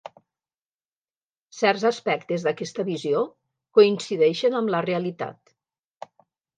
Certs aspectes d'aquesta visió coincideixen amb la realitat.